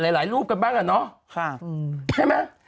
หลายรูปกันบ้างอ่ะเนาะใช่ไหม